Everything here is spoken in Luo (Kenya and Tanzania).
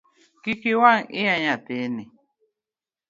Kik iwang’ iya nyathini.